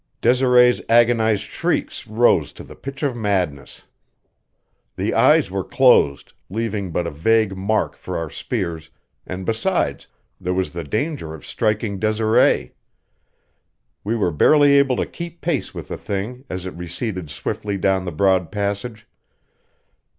Desiree's agonized shrieks rose to the pitch of madness. The eyes were closed, leaving but a vague mark for our spears, and besides, there was the danger of striking Desiree. We were barely able to keep pace with the thing as it receded swiftly down the broad passage.